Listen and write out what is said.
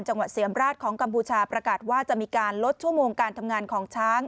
เสี่ยมราชของกัมพูชาประกาศว่าจะมีการลดชั่วโมงการทำงานของช้าง